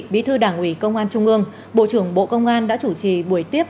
bí thư đảng ủy công an trung ương bộ trưởng bộ công an đã chủ trì buổi tiếp